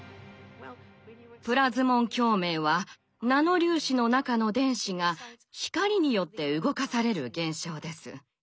プラズモン共鳴はナノ粒子の中の電子が光によって動かされる現象です。